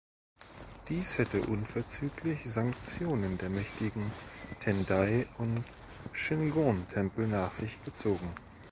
Dies hätte unverzüglich Sanktionen der mächtigen Tendai- und Shingon-Tempel nach sich gezogen.